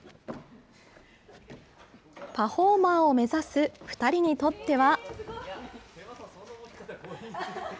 パフォーマーを目指す２人にとっては。